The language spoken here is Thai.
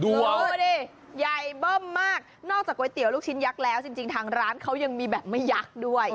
โอ้โหดิใหญ่เบิ้มมากนอกจากก๋วยเตี๋ยวลูกชิ้นยักษ์แล้วจริงทางร้านเขายังมีแบบไม่ยักษ์ด้วย